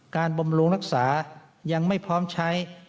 บำรุงรักษายังไม่พร้อมใช้